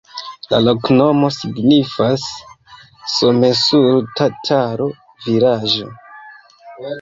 La loknomo signifas: Somesul-tataro-vilaĝo.